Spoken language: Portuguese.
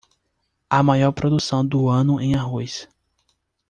A maior produção do ano em arroz.